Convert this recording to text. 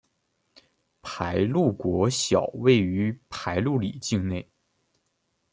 排路国小位于排路里境内。